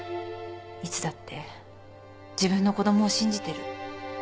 いつだって自分の子供を信じてる。